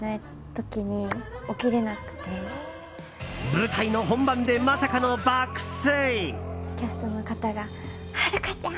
舞台の本番でまさかの爆睡！